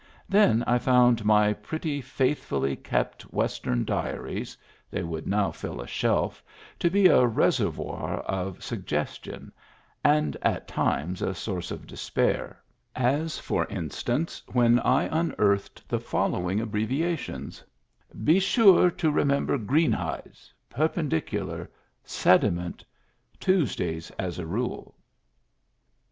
Then I found my pretty faith fully kept Western diaries (they would now fill a shelf) to be a reservoir of suggestion — and at times a source of despair ; as, for instance, when I unearthed the following abbreviations : Be sure to remember Green hides — perpendicular — sedi ment — Tuesdays as a rule.